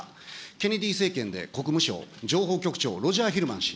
ケネディ政権で国務省、情報局長ロジャー・ヒルマン氏。